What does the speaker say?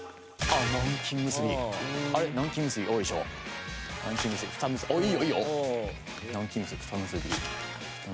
あっいい。